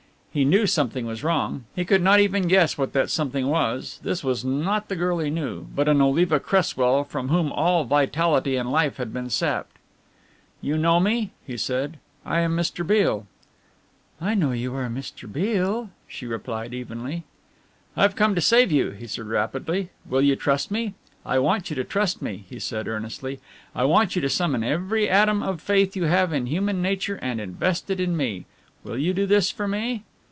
He knew something was wrong. He could not even guess what that something was. This was not the girl he knew, but an Oliva Cresswell from whom all vitality and life had been sapped. "You know me?" he said. "I am Mr. Beale." "I know you are Mr. Beale," she replied evenly. "I have come to save you," he said rapidly. "Will you trust me? I want you to trust me," he said earnestly. "I want you to summon every atom of faith you have in human nature and invest it in me. Will you do this for me?"